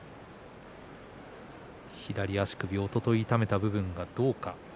左足首、おととい痛めた部分がどうか。